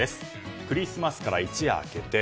クリスマスから一夜明けて。